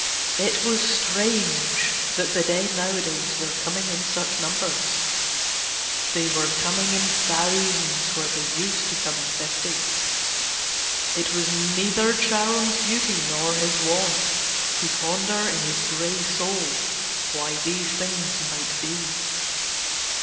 It was strange that the dead nowadays were coming in such numbers. They were coming in thousands where they used to come in fifties. It was neither Charon's duty nor his wont to ponder in his grey soul why these things might be.